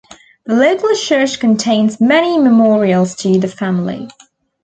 The local church contains many memorials to the family.